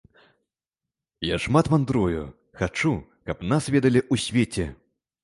Я шмат вандрую, хачу, каб нас ведалі ў свеце.